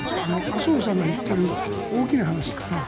麻生さんが言っている大きな話というのは